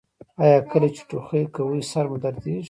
ایا کله چې ټوخی کوئ سر مو دردیږي؟